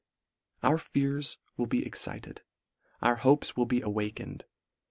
Our fears will be excited ; our hopes will be awakened.